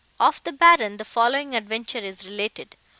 "Of the Baron, the following adventure is related.